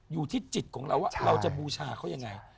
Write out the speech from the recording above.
อยู่ที่จิตของเราว่าเราจะบูชาเขายังไง